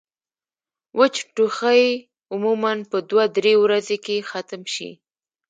وچ ټوخی عموماً پۀ دوه درې ورځې کښې ختم شي